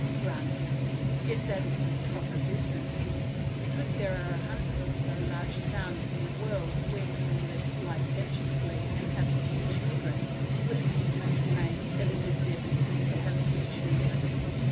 Granted; yet that is their proper business. Because there are a hundred or so of large towns in the world where women live licentiously and have few children, will you maintain that it is their business to have few children?